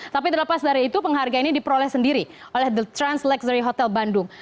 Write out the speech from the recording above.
tapi terlepas dari itu penghargaan ini diperoleh sendiri oleh the trans luxury hotel bandung